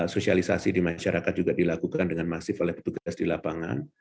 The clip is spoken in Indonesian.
sosialisasi di masyarakat juga dilakukan dengan masif oleh petugas di lapangan